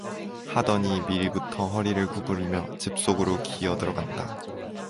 하더니 미리부터 허리를 구부리며 집 속으로 기어들어간다.